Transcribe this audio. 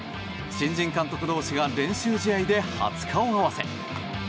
新人監督同士が練習試合で初顔合わせ。